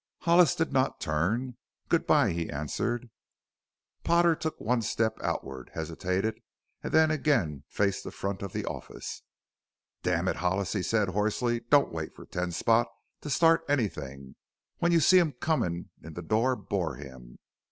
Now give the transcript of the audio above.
Hollis did not turn. "Good bye," he answered. Potter took one step outward, hesitated, and then again faced the front of the office. "Damn it, Hollis," he said hoarsely, "don't wait for Ten Spot to start anything; when you see him coming in the door bore him.